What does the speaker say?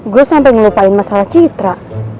gua sampe ngelupain masalah citra